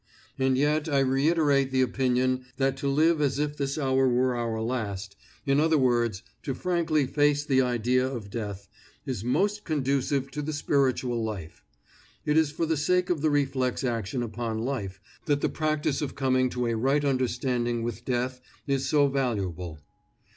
And yet I reiterate the opinion that to live as if this hour were our last in other words, to frankly face the idea of death is most conducive to the spiritual life. It is for the sake of the reflex action upon life that the practice of coming to a right understanding with death is so valuable.